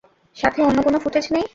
সাথে অন্য কোন ফুটেজ নেই।